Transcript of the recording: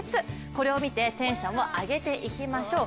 これを見てテンションを上げていきましょう。